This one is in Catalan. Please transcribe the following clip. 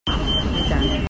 I tant!